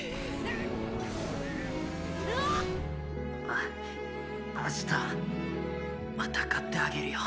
あッ明日また買ってあげるよ。